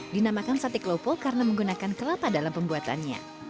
dinamakan sate klopo karena menggunakan kelapa dalam pembuatannya